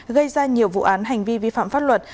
gây ra nhiều vụ án hành vi vi phạm